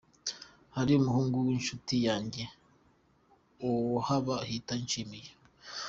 Hari umuhungu w’inshuti yanjye uhaba bita Nshimiye.